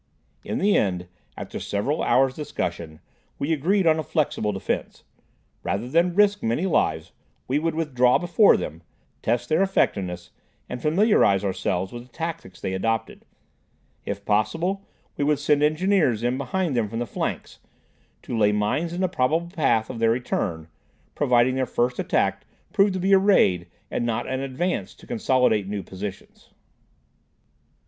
In the end, after several hours' discussion, we agreed on a flexible defense. Rather than risk many lives, we would withdraw before them, test their effectiveness and familiarize ourselves with the tactics they adopted. If possible, we would send engineers in behind them from the flanks, to lay mines in the probable path of their return, providing their first attack proved to be a raid and not an advance to consolidate new positions.